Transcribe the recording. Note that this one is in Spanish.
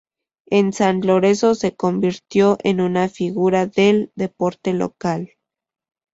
En San Lorenzo se convirtió en una figura del deporte local.